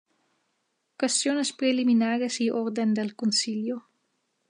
Cuestiones preliminares y orden del concilio.